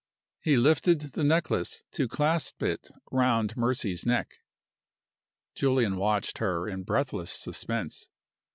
He lifted the necklace to clasp it round Mercy's neck. Julian watched her in breathless suspense.